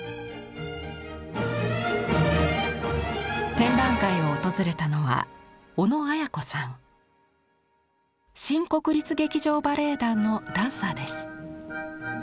展覧会を訪れたのは新国立劇場バレエ団のダンサーです。